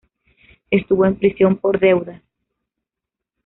Estuvo en prisión por deudas.